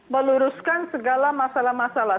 meluruskan segala masalah masalah